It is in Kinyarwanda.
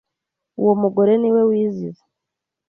uwo mugore niwe wizize.